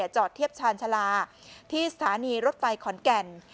จอดเทียบชาญชาลาที่สถานีรถไฟขอนแก่น